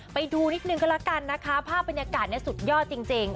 ไปดูนิดนึงก็แล้วกันนะคะภาพบรรยากาศเนี่ยสุดยอดจริง